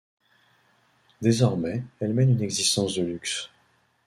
Désormais, elle mène une existence de luxe.